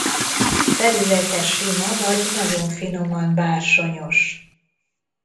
Felülete sima vagy nagyon finoman bársonyos.